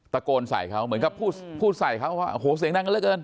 ตะโกนใส่เขาเหมือนกับผู้ผู้ใส่เขาว่าโอ้โหเสียงด้านนั้นแล้วเกิน